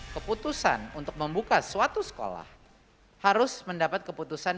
keputusan untuk membuka suatu sekolah harus mendapat keputusan